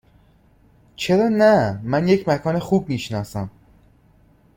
چرا نه؟ من یک مکان خوب می شناسم.